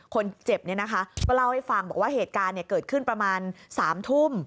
คนเจ็บก็เล่าให้ฟังบอกว่าเหตุการณ์เกิดขึ้นประมาณ๓ทุ่ม